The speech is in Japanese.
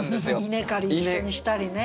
稲刈り一緒にしたりね。